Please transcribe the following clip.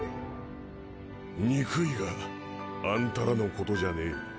憎いがあんたらのことじゃねえ。